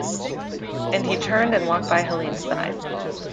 And he turned and walked by Helene's side.